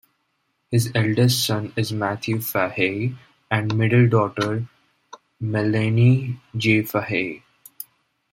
His eldest son is Matthew Fahey and middle daughter Melanie J Fahey.